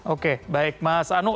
oke baik mas anu